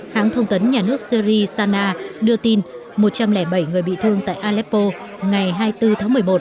hãng thông tấn nhà nước syri sana đưa tin một trăm linh bảy người bị thương tại aleppo ngày hai mươi bốn tháng một mươi một